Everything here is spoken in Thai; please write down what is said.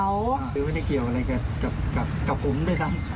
คือไม่ได้เกี่ยวอะไรกับผมด้วยซ้ำ